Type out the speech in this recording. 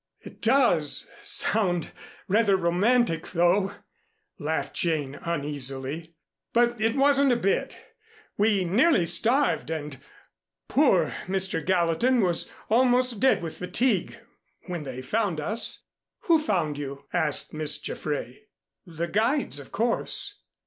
"It does sound rather romantic, though," laughed Jane uneasily, "but it wasn't a bit. We nearly starved and poor Mr. Gallatin was almost dead with fatigue when they found us." "Who found you?" asked Miss Jaffray. "The guides, of course."